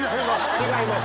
違います